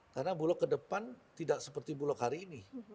karena bulog kedepan tidak seperti bulog hari ini